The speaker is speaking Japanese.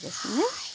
はい。